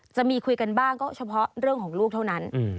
จะมีคุยกันบ้างก็เฉพาะเรื่องของลูกเท่านั้น